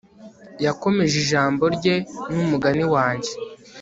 yakomeje ijambo rye n'umugani wanjye